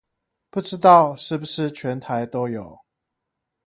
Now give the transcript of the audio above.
不知道是不是全台都有